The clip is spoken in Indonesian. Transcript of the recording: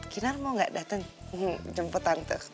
kinar mau gak dateng jemput tante